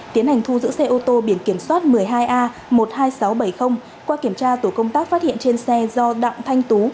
tiến hành thu giữ xe ô tô biển kiểm soát một mươi hai a một mươi hai nghìn sáu trăm bảy mươi qua kiểm tra tổ công tác phát hiện trên xe do đặng thanh tú